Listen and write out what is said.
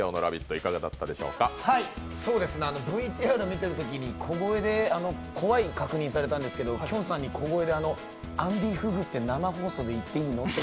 ＶＴＲ見てるときに小声で怖い確認されたんですけど、きょんさんに小声でアンディ・フグって生放送で言っていいのと。